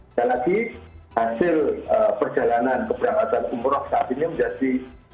sekali lagi hasil perjalanan keberangkatan umroh saat ini menjadi